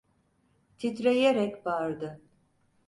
Titreyerek bağırdı: